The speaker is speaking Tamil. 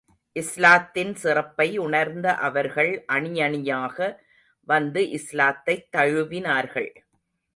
இஸ்லாத்தின் சிறப்பை உணர்ந்த அவர்கள் அணியணியாக வந்து இஸ்லாத்தைத் தழுவினார்கள்.